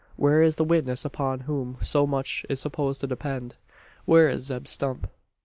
Where is the witness upon whom so much is supposed to depend. Where is Zeb Stump?